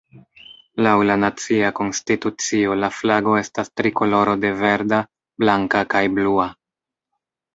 Laŭ la nacia konstitucio, la flago estas trikoloro de verda, blanka kaj blua.